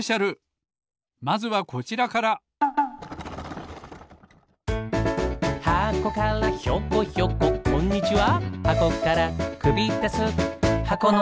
ほんじつはまずはこちらからこんにちは。